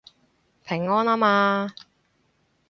平安吖嘛